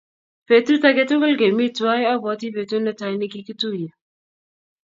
Petut ake tukul kemi twai apwoti petut netai ne kikituye.